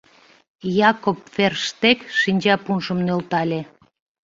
Якоб Ферштег шинчапунжым нӧлтале.